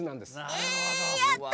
えやった！